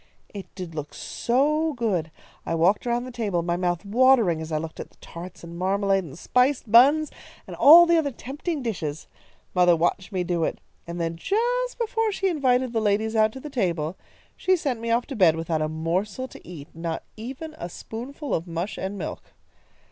"It did look so good! I walked around the table, my mouth watering as I looked at the tarts and marmalade and spiced buns, and all the other tempting dishes. Mother watched me do it, and then, just before she invited the ladies out to the table, she sent me off to bed without a morsel to eat, not even a spoonful of mush and milk.